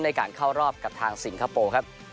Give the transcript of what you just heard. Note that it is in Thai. ในการเข้ารอบกับทางสิงคโปร์ครับ